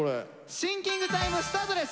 シンキングタイムスタートです。